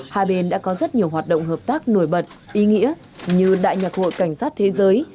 hai bên đã có rất nhiều hoạt động hợp tác nổi bật ý nghĩa như đại nhạc hội cảnh sát thế giới